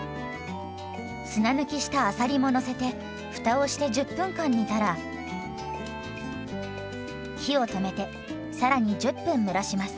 砂抜きしたあさりものせてふたをして１０分間煮たら火を止めてさらに１０分蒸らします。